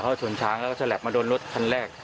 เขาชนช้างแล้วก็ฉลับมาโดนรถคันแรก